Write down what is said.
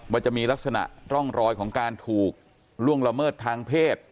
ว่าจะมีลักษณะร่องรอยของการถูกล่วงละเมิดทางเพศ